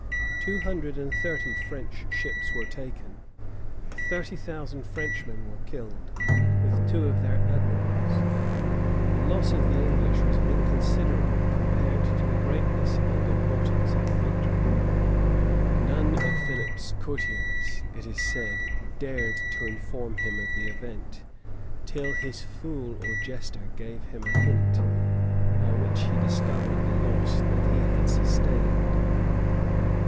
Two hundred and thirty French ships were taken: thirty thousand Frenchmen were killed, with two of their admirals: the loss of the English was inconsiderable, compared to the greatness and importance of the victory.[*] None of Philip's courtiers, it is said, dared to inform him of the event; till his fool or jester gave him a hint, by which he discovered the loss that he had sustained.